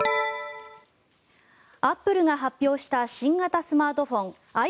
アップルが発表した新型スマートフォン